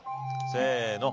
せの。